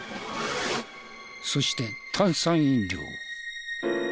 そして炭酸飲料。